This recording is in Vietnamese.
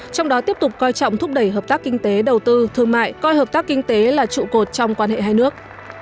trong đó tiếp tục coi trọng thúc đẩy hợp tác kinh tế đầu tư thương mại coi hợp tác kinh tế là trụ cột trong quan hệ hai nước